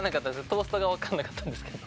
トーストがわかんなかったんですけど。